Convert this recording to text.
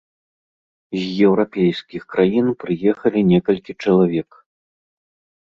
З еўрапейскіх краін прыехалі некалькі чалавек.